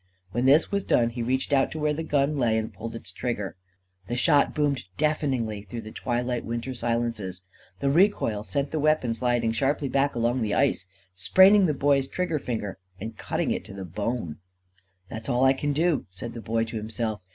When this was done, he reached out to where the gun lay, and pulled its trigger. The shot boomed deafeningly through the twilight winter silences. The recoil sent the weapon sliding sharply back along the ice, spraining the Boy's trigger finger and cutting it to the bone. "That's all I can do," said the Boy to himself.